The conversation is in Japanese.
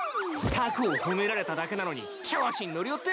タコを褒められただけなのに調子に乗りおって！